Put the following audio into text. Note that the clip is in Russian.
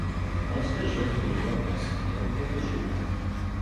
Он теперь живет недалеко от нас, и я иногда вижу его.